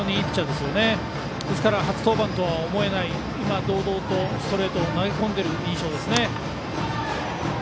ですから初登板とは思えない堂々とストレートを投げ込んでいる印象ですね。